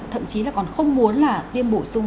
thậm chí là còn không muốn là tiêm bổ sung